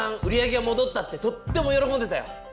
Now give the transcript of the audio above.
売り上げがもどったってとっても喜んでたよ。